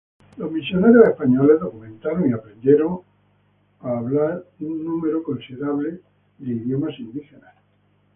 Los misioneros españoles documentaron y aprendieron a hablar un número considerable de idiomas indígenas.